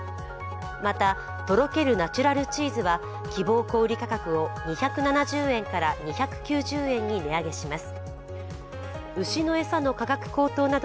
また、とろけるナチュラルチーズは希望小売価格を２７０円から２９０円に値上げします。